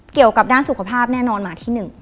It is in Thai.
เกี่ยวกับด้านสุขภาพแน่นอนหมาที่๑